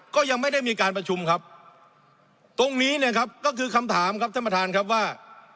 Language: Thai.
ก็ยังไม่ได้มีการประชุมครับตรงนี้เนี่ยครับก็คือคำถามครับท่านประธานครับว่า